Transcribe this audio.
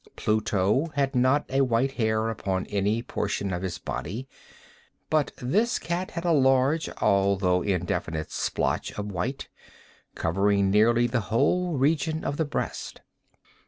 Pluto had not a white hair upon any portion of his body; but this cat had a large, although indefinite splotch of white, covering nearly the whole region of the breast.